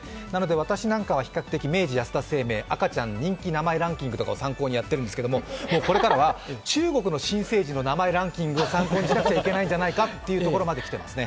私なんかは明治安田生命赤ちゃん人気名前ランキングなんかを参考にやってるんですけどこれからは中国の新生児の名前ランキングを参考にしなきゃいけないんじゃないかというところまで来ていますね。